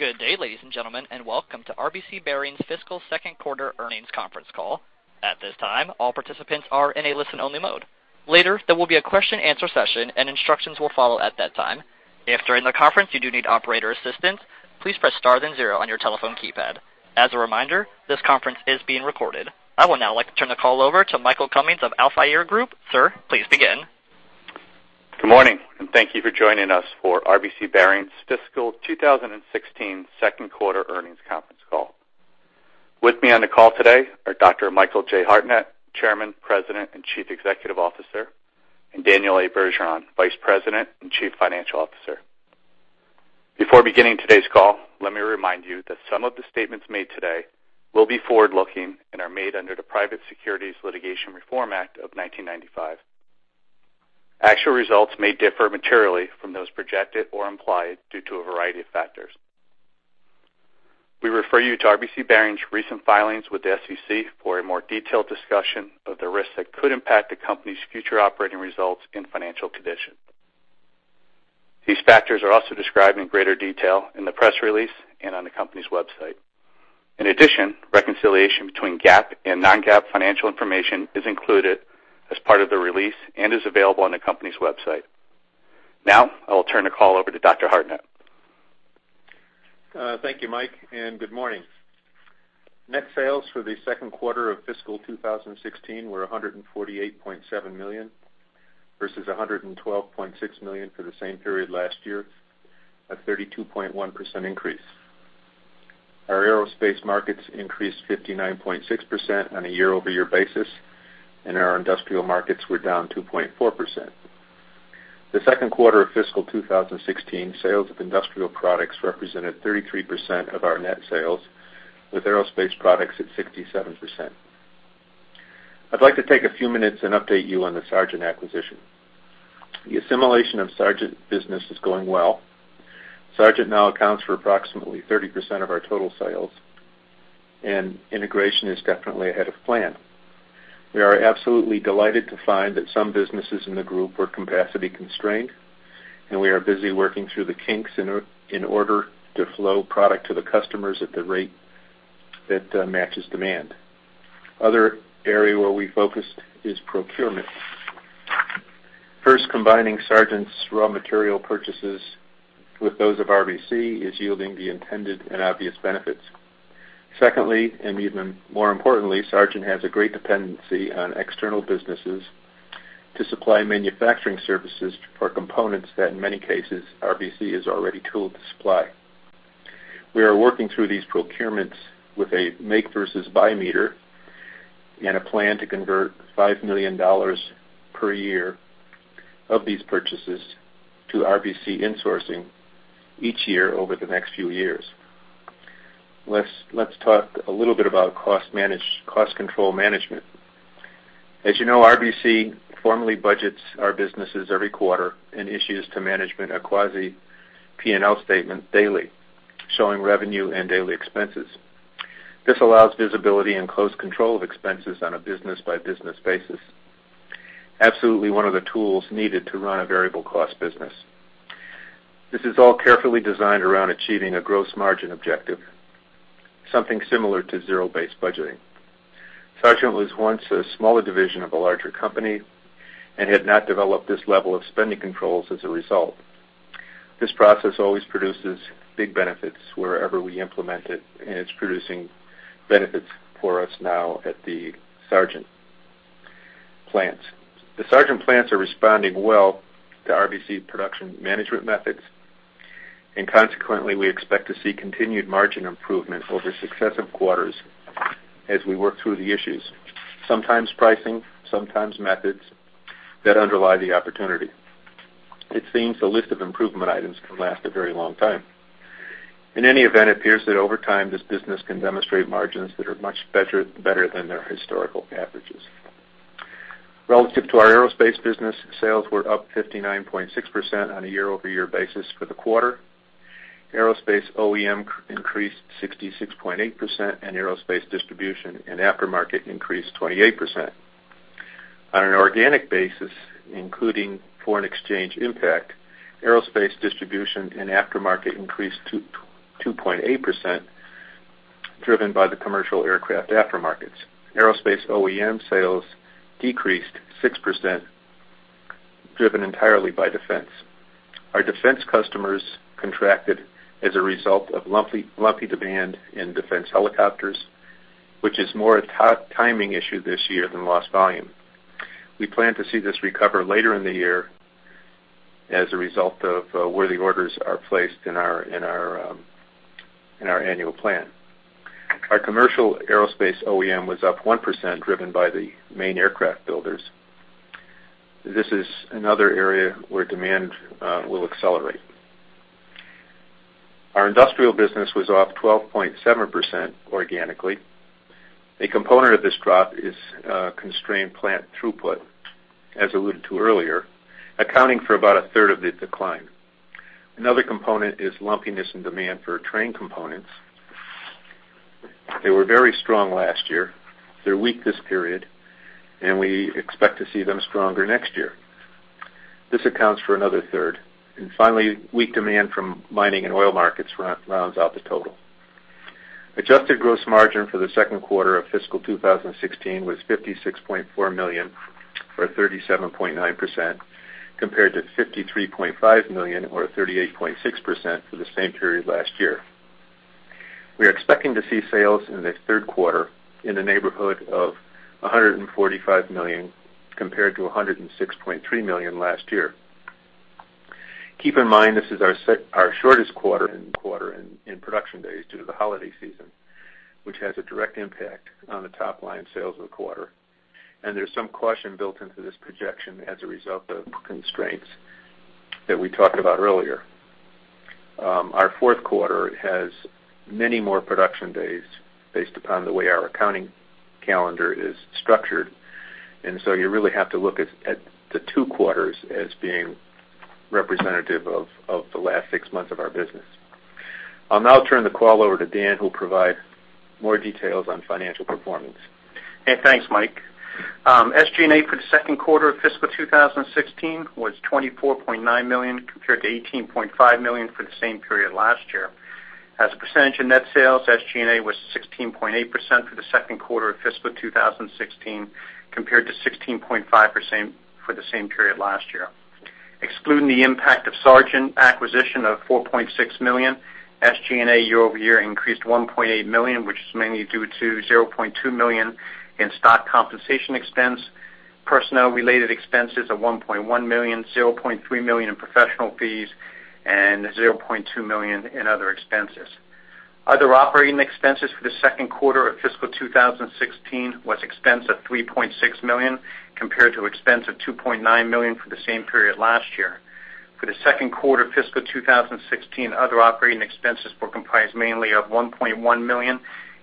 Good day, ladies and gentlemen, and welcome to RBC Bearings fiscal second quarter earnings conference call. At this time, all participants are in a listen-only mode. Later, there will be a question-and-answer session, and instructions will follow at that time. If during the conference you do need operator assistance, please press star then zero on your telephone keypad. As a reminder, this conference is being recorded. I would now like to turn the call over to Michael Cummings of Alpha IR Group. Sir, please begin. Good morning, and thank you for joining us for RBC Bearings fiscal 2016 second quarter earnings conference call. With me on the call today are Dr. Michael Hartnett, Chairman, President, and Chief Executive Officer, and Daniel Bergeron, Vice President and Chief Financial Officer. Before beginning today's call, let me remind you that some of the statements made today will be forward-looking and are made under the Private Securities Litigation Reform Act of 1995. Actual results may differ materially from those projected or implied due to a variety of factors. We refer you to RBC Bearings' recent filings with the SEC for a more detailed discussion of the risks that could impact the company's future operating results and financial condition. These factors are also described in greater detail in the press release and on the company's website. In addition, reconciliation between GAAP and non-GAAP financial information is included as part of the release and is available on the company's website. Now I will turn the call over to Dr. Hartnett. Thank you, Mike, and good morning. Net sales for the second quarter of fiscal 2016 were $148.7 million versus $112.6 million for the same period last year, a 32.1% increase. Our aerospace markets increased 59.6% on a year-over-year basis, and our industrial markets were down 2.4%. The second quarter of fiscal 2016 sales of industrial products represented 33% of our net sales, with aerospace products at 67%. I'd like to take a few minutes and update you on the Sargent acquisition. The assimilation of Sargent business is going well. Sargent now accounts for approximately 30% of our total sales, and integration is definitely ahead of plan. We are absolutely delighted to find that some businesses in the group were capacity-constrained, and we are busy working through the kinks in order to flow product to the customers at the rate that matches demand. Other area where we focused is procurement. First, combining Sargent's raw material purchases with those of RBC is yielding the intended and obvious benefits. Secondly, and even more importantly, Sargent has a great dependency on external businesses to supply manufacturing services for components that, in many cases, RBC is already tooled to supply. We are working through these procurements with a make versus buy meter and a plan to convert $5 million per year of these purchases to RBC insourcing each year over the next few years. Let's talk a little bit about cost management, cost control, management. As you know, RBC formally budgets our businesses every quarter and issues to management a quasi-P&L statement daily showing revenue and daily expenses. This allows visibility and close control of expenses on a business-by-business basis, absolutely one of the tools needed to run a variable cost business. This is all carefully designed around achieving a gross margin objective, something similar to zero-based budgeting. Sargent was once a smaller division of a larger company and had not developed this level of spending controls as a result. This process always produces big benefits wherever we implement it, and it's producing benefits for us now at the Sargent plants. The Sargent plants are responding well to RBC production management methods, and consequently, we expect to see continued margin improvement over successive quarters as we work through the issues, sometimes pricing, sometimes methods that underlie the opportunity. It seems the list of improvement items can last a very long time. In any event, it appears that over time, this business can demonstrate margins that are much better than their historical averages. Relative to our aerospace business, sales were up 59.6% on a year-over-year basis for the quarter. Aerospace OEM increased 66.8%, and aerospace distribution and aftermarket increased 28%. On an organic basis, including foreign exchange impact, aerospace distribution and aftermarket increased 2.8% driven by the commercial aircraft aftermarkets. Aerospace OEM sales decreased 6% driven entirely by defense. Our defense customers contracted as a result of lumpy demand in defense helicopters, which is more a timing issue this year than lost volume. We plan to see this recover later in the year as a result of where the orders are placed in our annual plan. Our commercial aerospace OEM was up 1% driven by the main aircraft builders. This is another area where demand will accelerate. Our industrial business was off 12.7% organically. A component of this drop is constrained plant throughput, as alluded to earlier, accounting for about a third of the decline. Another component is lumpiness in demand for train components. They were very strong last year. They're weak this period, and we expect to see them stronger next year. This accounts for another third. Finally, weak demand from mining and oil markets rounds out the total. Adjusted gross margin for the second quarter of fiscal 2016 was $56.4 million or 37.9% compared to $53.5 million or 38.6% for the same period last year. We are expecting to see sales in the third quarter in the neighborhood of $145 million compared to $106.3 million last year. Keep in mind this is our shortest quarter in production days due to the holiday season, which has a direct impact on the top-line sales of the quarter. There's some caution built into this projection as a result of constraints that we talked about earlier. Our fourth quarter has many more production days based upon the way our accounting calendar is structured. And so you really have to look at the two quarters as being representative of the last six months of our business. I'll now turn the call over to Dan, who'll provide more details on financial performance. Hey, thanks, Mike. SG&A for the second quarter of fiscal 2016 was $24.9 million compared to $18.5 million for the same period last year. As a percentage of net sales, SG&A was 16.8% for the second quarter of fiscal 2016 compared to 16.5% for the same period last year. Excluding the impact of Sargent acquisition of $4.6 million, SG&A year-over-year increased $1.8 million, which is mainly due to $0.2 million in stock compensation expense, personnel-related expenses of $1.1 million, $0.3 million in professional fees, and $0.2 million in other expenses. Other operating expenses for the second quarter of fiscal 2016 was expense of $3.6 million compared to expense of $2.9 million for the same period last year. For the second quarter of fiscal 2016, other operating expenses were comprised mainly of $1.1 million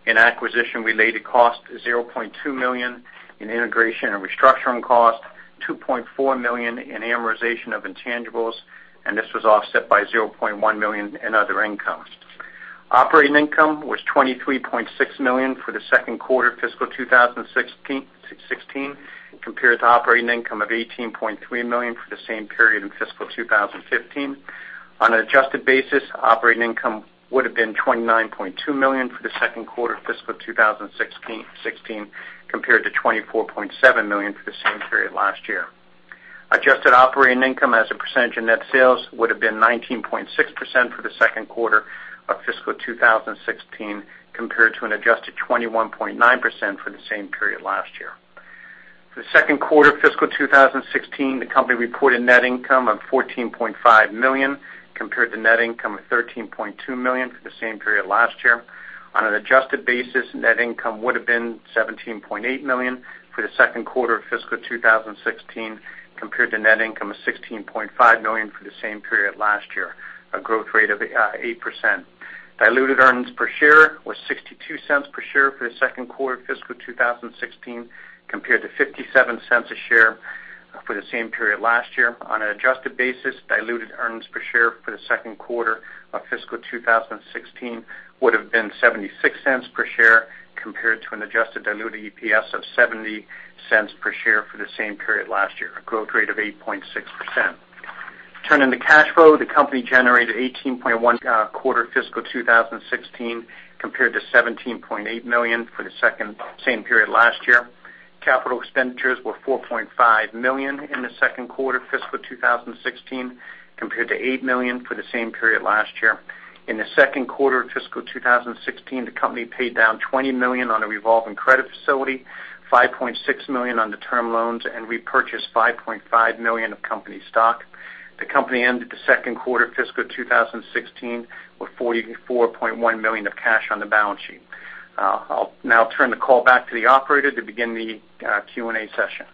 in acquisition-related cost, $0.2 million in integration and restructuring cost, $2.4 million in amortization of intangibles, and this was offset by $0.1 million in other income. Operating income was $23.6 million for the second quarter of fiscal 2016 compared to operating income of $18.3 million for the same period in fiscal 2015. On an adjusted basis, operating income would have been $29.2 million for the second quarter of fiscal 2016 compared to $24.7 million for the same period last year. Adjusted operating income as a percentage of net sales would have been 19.6% for the second quarter of fiscal 2016 compared to an adjusted 21.9% for the same period last year. For the second quarter of fiscal 2016, the company reported net income of $14.5 million compared to net income of $13.2 million for the same period last year. On an adjusted basis, net income would have been $17.8 million for the second quarter of fiscal 2016 compared to net income of $16.5 million for the same period last year, a growth rate of 8%. Diluted earnings per share was $0.62 per share for the second quarter of fiscal 2016 compared to $0.57 a share for the same period last year. On an adjusted basis, diluted earnings per share for the second quarter of fiscal 2016 would have been $0.76 per share compared to an adjusted diluted EPS of $0.70 per share for the same period last year, a growth rate of 8.6%. Turning to cash flow, the company generated $18.1 [million in the quarter] of fiscal 2016 compared to $17.8 million for the same period last year. Capital expenditures were $4.5 million in the second quarter of fiscal 2016 compared to $8 million for the same period last year. In the second quarter of fiscal 2016, the company paid down $20 million on a revolving credit facility, $5.6 million on the term loans, and repurchased $5.5 million of company stock. The company ended the second quarter of fiscal 2016 with $44.1 million of cash on the balance sheet. I'll now turn the call back to the operator to begin the Q&A session.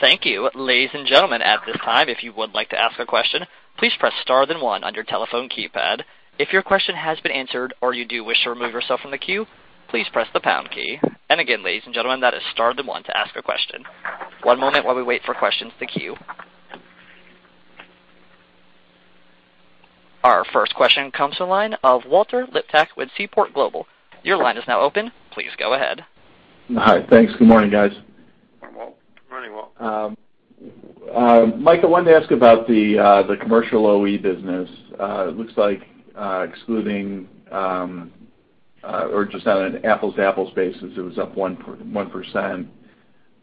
Thank you. Ladies and gentlemen, at this time, if you would like to ask a question, please press star, then one on your telephone keypad. If your question has been answered or you do wish to remove yourself from the queue, please press the pound key. And again, ladies and gentlemen, that is star, then one to ask a question. One moment while we wait for questions to queue. Our first question comes to the line of Walter Liptak with Seaport Global. Your line is now open. Please go ahead. Hi. Thanks. Good morning, guys. Morning, Walt. Good morning, Walt. Mike, I wanted to ask about the commercial OE business. It looks like excluding or just on an apples-to-apples basis, it was up 1%.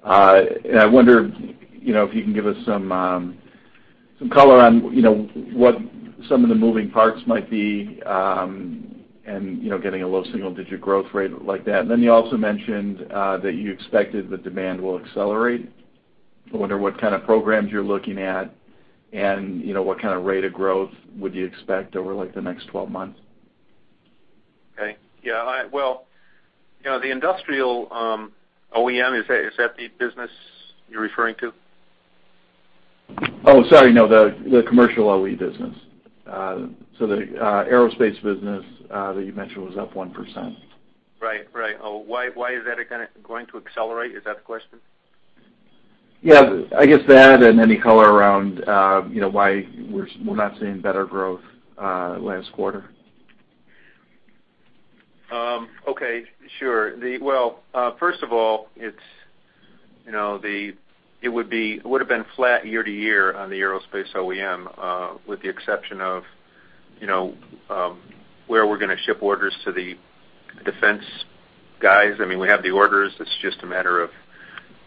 And I wonder if you can give us some color on what some of the moving parts might be and getting a low single-digit growth rate like that. And then you also mentioned that you expected the demand will accelerate. I wonder what kind of programs you're looking at and what kind of rate of growth would you expect over the next 12 months? Okay. Yeah. Well, the industrial OEM, is that the business you're referring to? Oh, sorry. No, the commercial OE business. So the aerospace business that you mentioned was up 1%. Right. Right. Oh, why is that kind of going to accelerate? Is that the question? Yeah. I guess that and any color around why we're not seeing better growth last quarter? Okay. Sure. Well, first of all, it would have been flat year-to-year on the Aerospace OEM with the exception of where we're going to ship orders to the defense guys. I mean, we have the orders. It's just a matter of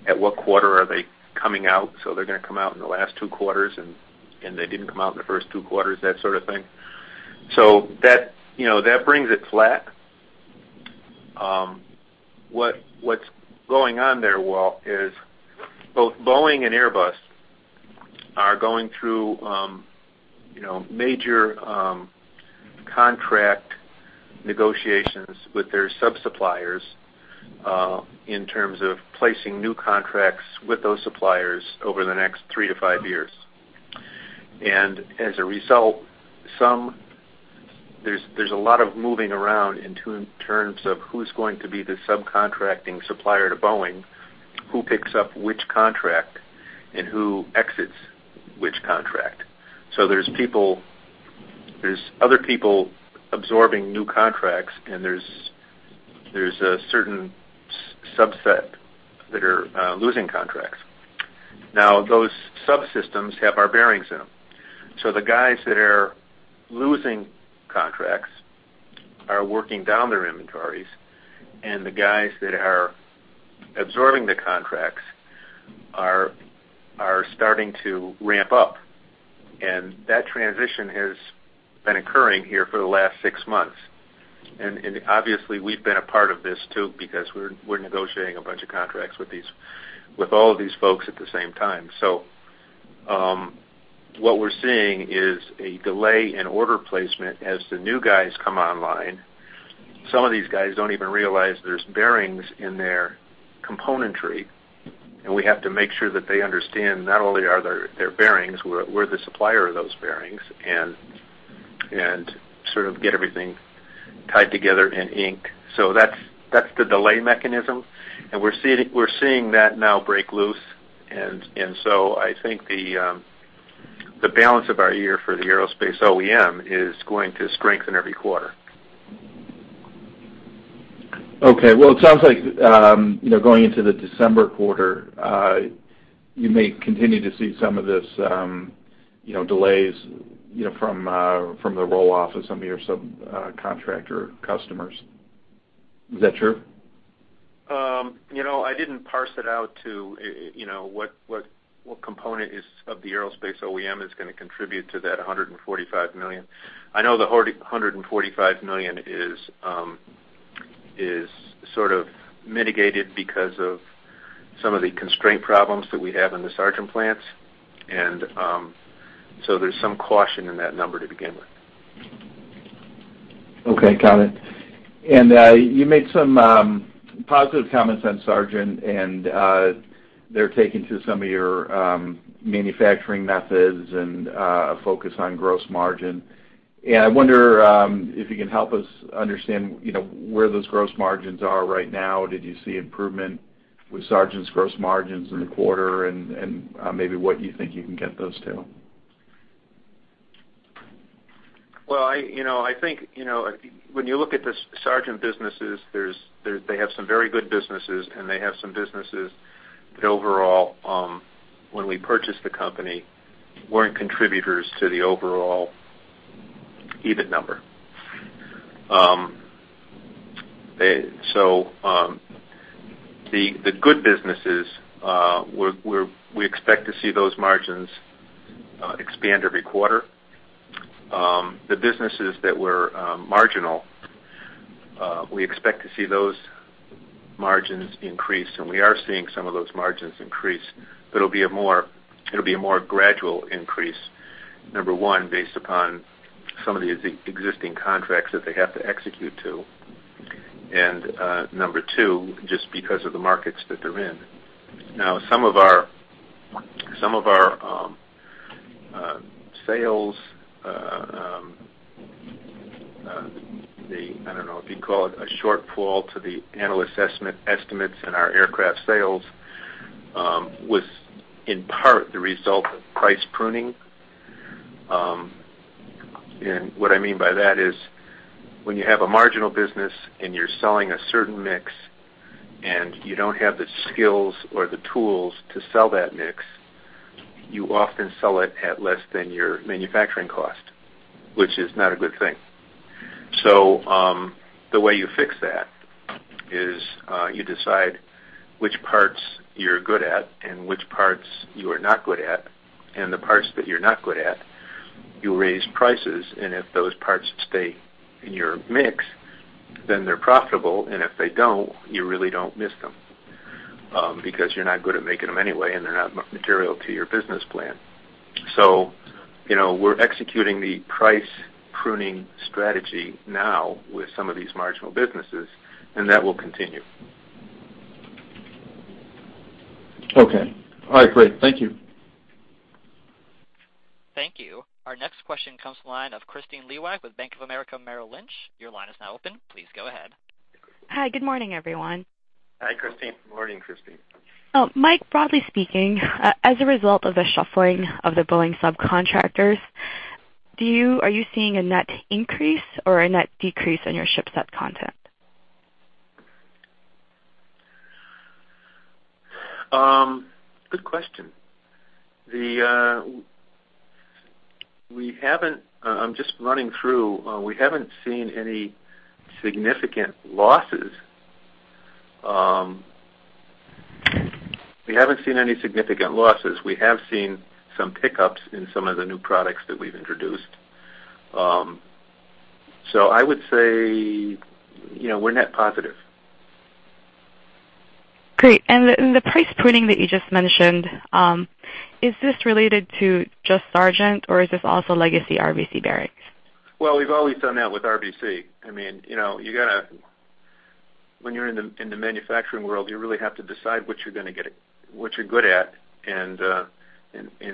at what quarter are they coming out? So they're going to come out in the last two quarters, and they didn't come out in the first two quarters, that sort of thing. So that brings it flat. What's going on there, Walt, is both Boeing and Airbus are going through major contract negotiations with their subsuppliers in terms of placing new contracts with those suppliers over the next three to five years. And as a result, there's a lot of moving around in terms of who's going to be the subcontracting supplier to Boeing, who picks up which contract, and who exits which contract. So there's other people absorbing new contracts, and there's a certain subset that are losing contracts. Now, those subsystems have our bearings in them. So the guys that are losing contracts are working down their inventories, and the guys that are absorbing the contracts are starting to ramp up. And that transition has been occurring here for the last six months. And obviously, we've been a part of this too because we're negotiating a bunch of contracts with all of these folks at the same time. So what we're seeing is a delay in order placement as the new guys come online. Some of these guys don't even realize there's bearings in their componentry. And we have to make sure that they understand not only are there bearings, we're the supplier of those bearings, and sort of get everything tied together in ink. So that's the delay mechanism. We're seeing that now break loose. So I think the balance of our year for the Aerospace OEM is going to strengthen every quarter. Okay. Well, it sounds like going into the December quarter, you may continue to see some of these delays from the roll-off of some of your subcontractor customers. Is that true? I didn't parse it out to what component of the aerospace OEM is going to contribute to that $145 million. I know the $145 million is sort of mitigated because of some of the constraint problems that we have in the Sargent plants. And so there's some caution in that number to begin with. Okay. Got it. And you made some positive comments on Sargent, and they're taken through some of your manufacturing methods and a focus on gross margin. And I wonder if you can help us understand where those gross margins are right now. Did you see improvement with Sargent's gross margins in the quarter, and maybe what you think you can get those to? Well, I think when you look at the Sargent businesses, they have some very good businesses, and they have some businesses that overall, when we purchased the company, weren't contributors to the overall EBIT number. So the good businesses, we expect to see those margins expand every quarter. The businesses that were marginal, we expect to see those margins increase. And we are seeing some of those margins increase. But it'll be a more gradual increase, number one, based upon some of the existing contracts that they have to execute to, and number two, just because of the markets that they're in. Now, some of our sales, I don't know if you'd call it a shortfall, to the analyst estimates in our aircraft sales was in part the result of price pruning. And what I mean by that is when you have a marginal business and you're selling a certain mix and you don't have the skills or the tools to sell that mix, you often sell it at less than your manufacturing cost, which is not a good thing. So the way you fix that is you decide which parts you're good at and which parts you are not good at. And the parts that you're not good at, you raise prices. And if those parts stay in your mix, then they're profitable. And if they don't, you really don't miss them because you're not good at making them anyway, and they're not material to your business plan. So we're executing the price pruning strategy now with some of these marginal businesses, and that will continue. Okay. All right. Great. Thank you. Thank you. Our next question comes to the line of Kristine Liwag with Bank of America Merrill Lynch. Your line is now open. Please go ahead. Hi. Good morning, everyone. Hi, Kristine. Good morning, Kristine. Mike, broadly speaking, as a result of the shuffling of the Boeing subcontractors, are you seeing a net increase or a net decrease in your shipset content? Good question. I'm just running through. We haven't seen any significant losses. We haven't seen any significant losses. We have seen some pickups in some of the new products that we've introduced. So I would say we're net positive. Great. And the price pruning that you just mentioned, is this related to just Sargent, or is this also legacy RBC Bearings? Well, we've always done that with RBC. I mean, when you're in the manufacturing world, you really have to decide what you're going to get what you're good at and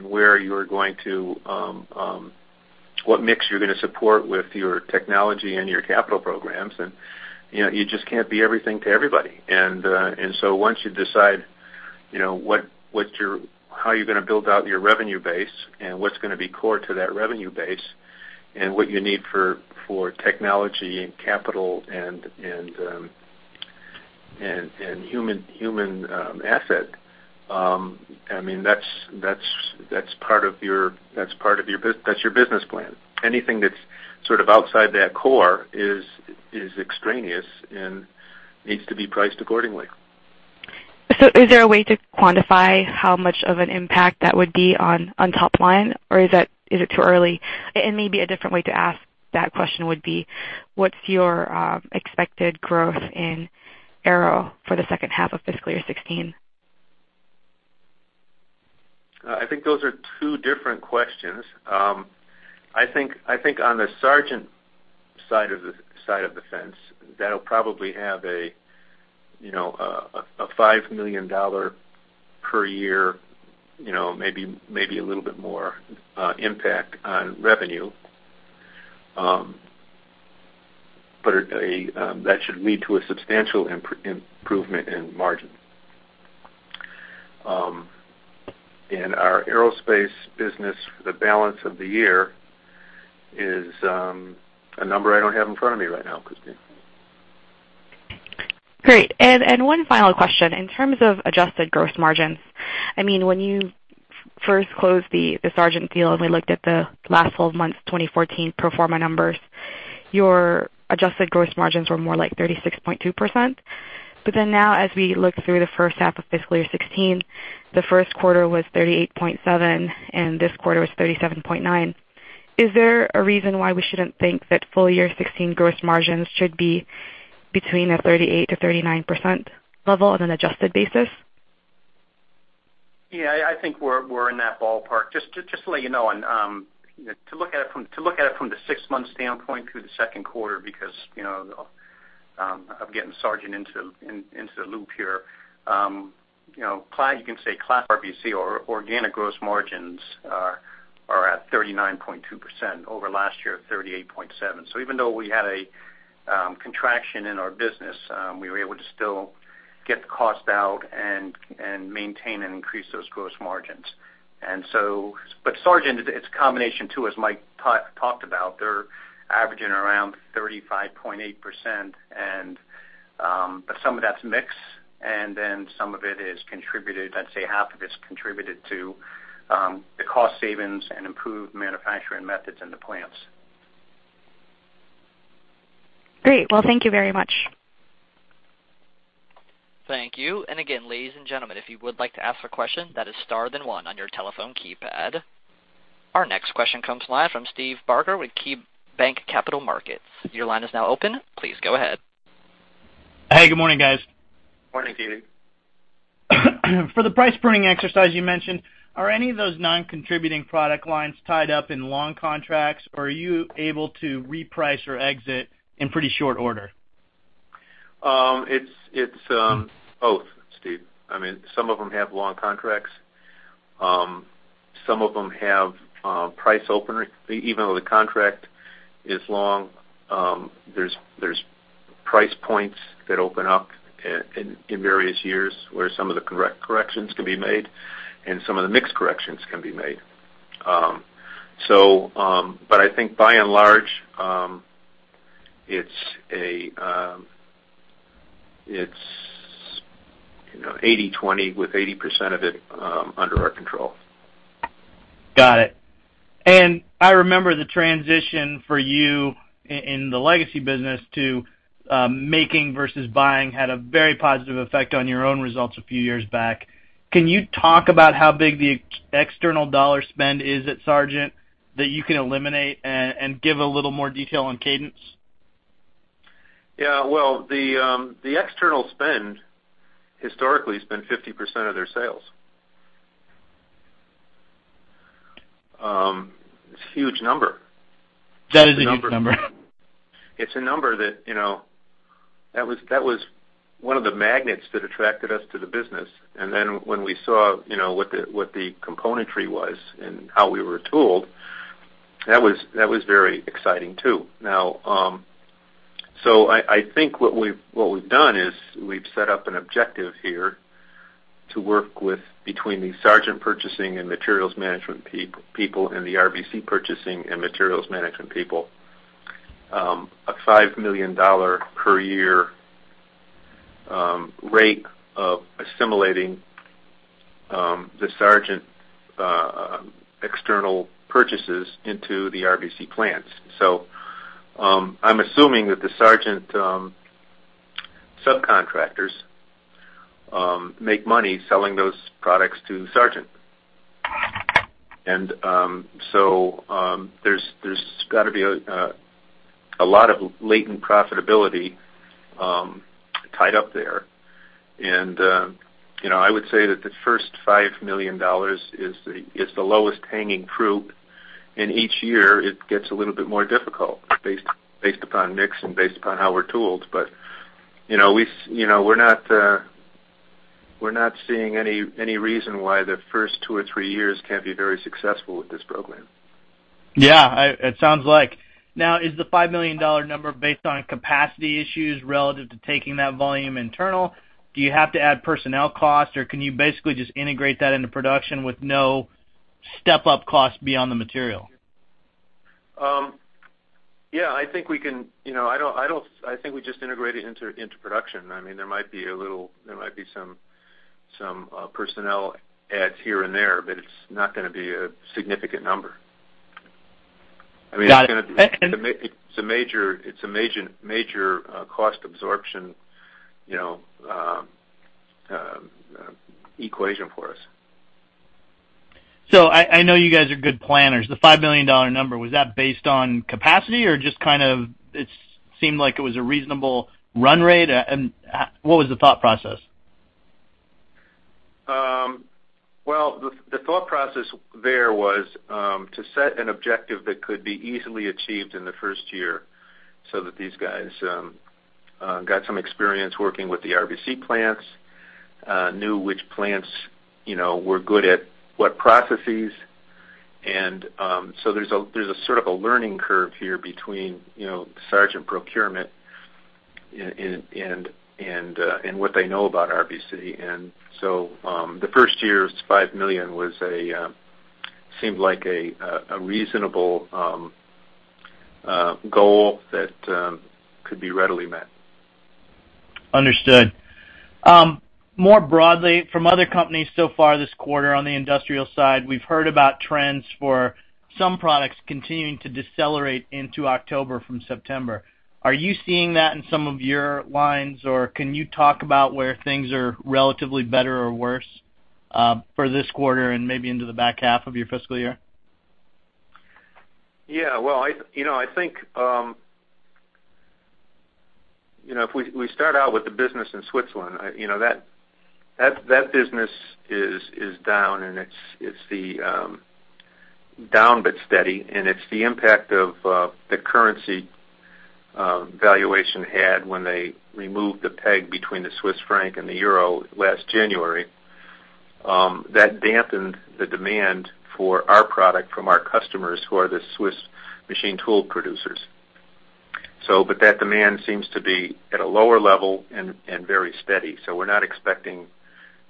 where you're going to what mix you're going to support with your technology and your capital programs. And you just can't be everything to everybody. And so once you decide how you're going to build out your revenue base and what's going to be core to that revenue base and what you need for technology and capital and human asset, I mean, that's part of your that's your business plan. Anything that's sort of outside that core is extraneous and needs to be priced accordingly. So is there a way to quantify how much of an impact that would be on top line, or is it too early? And maybe a different way to ask that question would be, what's your expected growth in aero for the second half of fiscal year 2016? I think those are two different questions. I think on the Sargent side of defense, that'll probably have a $5 million per year, maybe a little bit more impact on revenue. But that should lead to a substantial improvement in margin. In our aerospace business, the balance of the year is a number I don't have in front of me right now, Kristine. Great. And one final question. In terms of adjusted gross margins, I mean, when you first closed the Sargent deal and we looked at the last 12 months, 2014, pro forma numbers, your adjusted gross margins were more like 36.2%. But then now, as we look through the first half of fiscal year 2016, the first quarter was 38.7%, and this quarter was 37.9%. Is there a reason why we shouldn't think that full year 2016 gross margins should be between a 38%-39% level on an adjusted basis? Yeah. I think we're in that ballpark. Just to let you know, to look at it from the six-month standpoint through the second quarter because of getting Sargent into the loop here, you can say consolidated. RBC or organic gross margins are at 39.2% over last year, 38.7%. So even though we had a contraction in our business, we were able to still get the cost out and maintain and increase those gross margins. But Sargent, it's a combination too, as Mike talked about. They're averaging around 35.8%. But some of that's mix, and then some of it is contributed I'd say half of it's contributed to the cost savings and improved manufacturing methods in the plants. Great. Well, thank you very much. Thank you. And again, ladies and gentlemen, if you would like to ask a question, that is starred and one on your telephone keypad. Our next question comes to the line from Steve Barger with KeyBanc Capital Markets. Your line is now open. Please go ahead. Hey. Good morning, guys. Morning, Keith. For the price pruning exercise you mentioned, are any of those noncontributing product lines tied up in long contracts, or are you able to reprice or exit in pretty short order? It's both, Steve. I mean, some of them have long contracts. Some of them have price openers. Even though the contract is long, there's price points that open up in various years where some of the corrections can be made and some of the mix corrections can be made. But I think, by and large, it's 80/20 with 80% of it under our control. Got it. I remember the transition for you in the legacy business to making versus buying had a very positive effect on your own results a few years back. Can you talk about how big the external dollar spend is at Sargent that you can eliminate and give a little more detail on cadence? Yeah. Well, the external spend, historically, has been 50% of their sales. It's a huge number. That is a huge number. It's a number that was one of the magnets that attracted us to the business. Then when we saw what the componentry was and how we were tooled, that was very exciting too. I think what we've done is we've set up an objective here to work with between the Sargent purchasing and materials management people and the RBC purchasing and materials management people, a $5 million per year rate of assimilating the Sargent external purchases into the RBC plants. I'm assuming that the Sargent subcontractors make money selling those products to Sargent. There's got to be a lot of latent profitability tied up there. I would say that the first $5 million is the lowest hanging fruit. Each year, it gets a little bit more difficult based upon mix and based upon how we're tooled. But we're not seeing any reason why the first two or three years can't be very successful with this program. Yeah. It sounds like. Now, is the $5 million number based on capacity issues relative to taking that volume internal? Do you have to add personnel cost, or can you basically just integrate that into production with no step-up cost beyond the material? Yeah. I think we just integrate it into production. I mean, there might be some personnel adds here and there, but it's not going to be a significant number. I mean, it's going to be a major cost absorption equation for us. So I know you guys are good planners. The $5 million number, was that based on capacity, or just kind of it seemed like it was a reasonable run rate? And what was the thought process? Well, the thought process there was to set an objective that could be easily achieved in the first year so that these guys got some experience working with the RBC plants, knew which plants were good at what processes. And so there's sort of a learning curve here between Sargent procurement and what they know about RBC. And so the first year's $5 million seemed like a reasonable goal that could be readily met. Understood. More broadly, from other companies so far this quarter on the industrial side, we've heard about trends for some products continuing to decelerate into October from September. Are you seeing that in some of your lines, or can you talk about where things are relatively better or worse for this quarter and maybe into the back half of your fiscal year? Yeah. Well, I think if we start out with the business in Switzerland, that business is down, and it's down but steady. And it's the impact of the currency valuation had when they removed the peg between the Swiss franc and the euro last January. That dampened the demand for our product from our customers who are the Swiss machine tool producers. But that demand seems to be at a lower level and very steady. So we're not expecting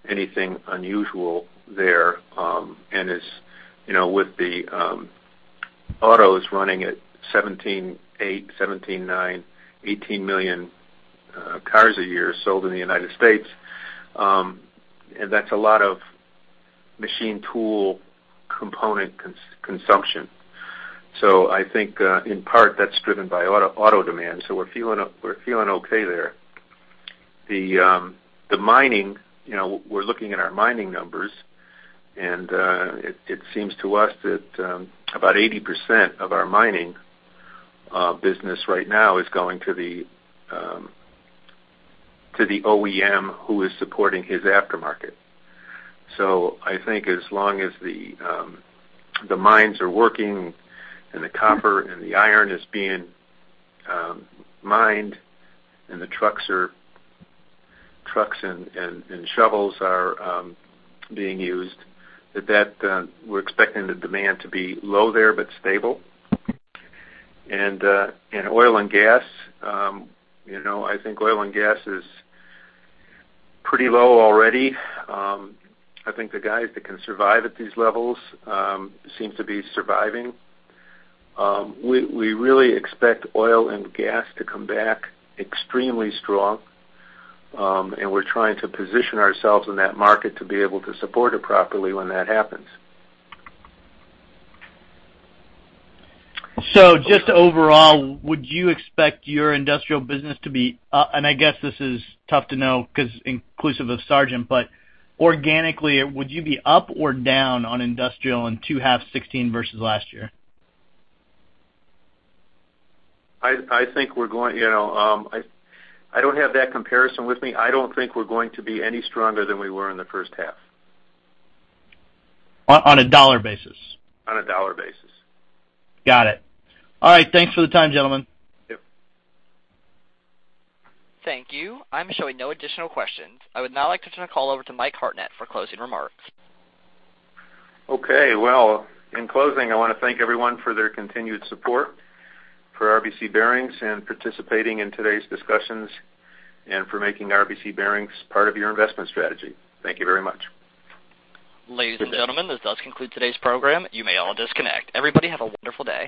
anything unusual there. And with the autos running at 17.8, 17.9, 18 million cars a year sold in the United States, that's a lot of machine tool component consumption. So I think, in part, that's driven by auto demand. So we're feeling okay there. We're looking at our mining numbers, and it seems to us that about 80% of our mining business right now is going to the OEM who is supporting his aftermarket. So I think as long as the mines are working and the copper and the iron is being mined and the trucks and shovels are being used, we're expecting the demand to be low there but stable. And oil and gas, I think oil and gas is pretty low already. I think the guys that can survive at these levels seem to be surviving. We really expect oil and gas to come back extremely strong, and we're trying to position ourselves in that market to be able to support it properly when that happens. Just overall, would you expect your industrial business to be and I guess this is tough to know because inclusive of Sargent, but organically, would you be up or down on industrial in second half 2016 versus last year? I think we're going. I don't have that comparison with me. I don't think we're going to be any stronger than we were in the first half. On a dollar basis? On a dollar basis. Got it. All right. Thanks for the time, gentlemen. Yep. Thank you. I'm showing no additional questions. I would now like to turn the call over to Mike Hartnett for closing remarks. Okay. Well, in closing, I want to thank everyone for their continued support for RBC Bearings and participating in today's discussions and for making RBC Bearings part of your investment strategy. Thank you very much. Ladies and gentlemen, this does conclude today's program. You may all disconnect. Everybody have a wonderful day.